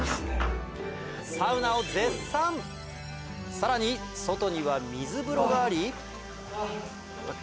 さらに外には水風呂があり。